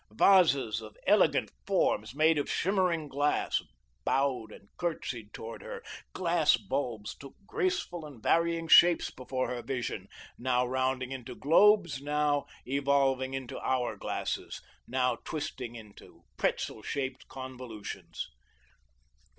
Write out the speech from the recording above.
Vases of elegant forms, made of shimmering glass, bowed and courtesied toward her. Glass bulbs took graceful and varying shapes before her vision, now rounding into globes, now evolving into hour glasses, now twisting into pretzel shaped convolutions.